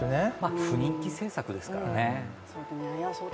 不人気政策ですからね。